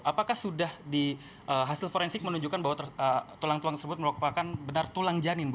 apakah sudah di hasil forensik menunjukkan bahwa tulang tulang tersebut merupakan benar tulang janin